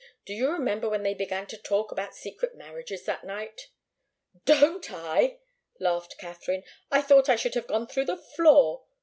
Do you remember when they began to talk about secret marriages that night?" "Don't I!" laughed Katharine. "I thought I should have gone through the floor!